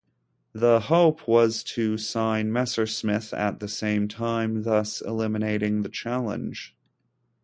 The hope was to sign Messersmith at the same time, thus eliminating the challenge.